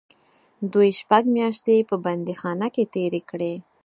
دوی شپږ میاشتې په بندیخانه کې تېرې کړې.